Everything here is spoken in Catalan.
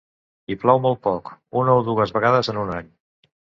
Hi plou molt poc, una o dues vegades en un any.